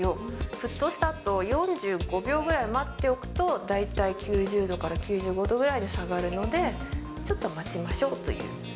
沸騰したあと、４５秒ぐらい待っておくと大体９０度から９５度ぐらいに下がるので、ちょっと待ちましょうという。